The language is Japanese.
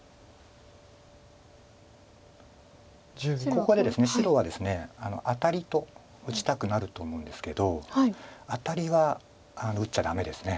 ここで白はですねアタリと打ちたくなると思うんですけどアタリは打っちゃダメです。